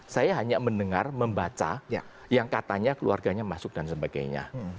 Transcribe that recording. saya hanya mendengar membaca yang katanya keluarganya masuk dan sebagainya